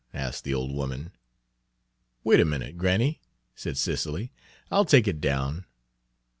asked the old woman. "Wait a minute, granny," said Cicely; "I'll take it down."